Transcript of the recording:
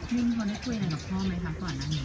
มีมีคนให้คุยอะไรกับพ่อไหมครับขวานหน้าเนื้อ